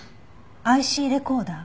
ＩＣレコーダー？